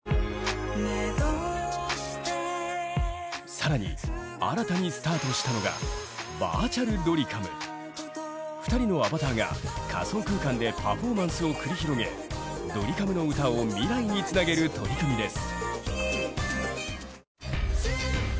さらに新たにスタートしたのが２人のアバターが仮想空間でパフォーマンスを繰り広げドリカムの歌を未来につなげる取り組みです。